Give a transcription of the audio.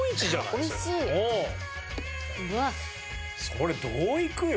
それどういくよ？